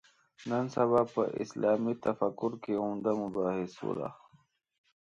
نن سبا په اسلامي تفکر کې عمده مباحثو ده.